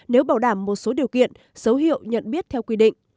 nếu bảo đảm một số điều kiện dấu hiệu nhận biết theo quy định